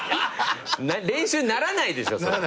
練習にならないでしょそれ。